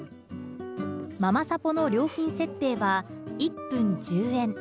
ままさぽの料金設定は、１分１０円。